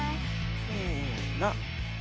せの。